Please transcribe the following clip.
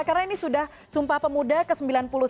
karena ini sudah sumpah pemuda ke sembilan puluh satu